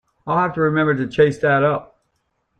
I’ll have to remember to chase that up.